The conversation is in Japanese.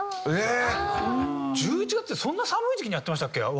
えーっ！１１月ってそんな寒い時期にやってましたっけ？